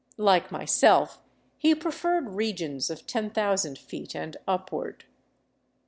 Like myself, he preferred regions of ten thousand feet and upward.